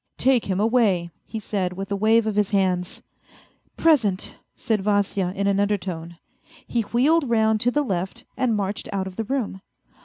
" Take him away," he said, with a wave of his hands. " Present !" said Vasya in an undertone ; he wheeled round to the left and marched out of the room.